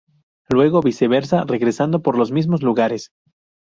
Luego, viceversa, regresando por los mismos lugares.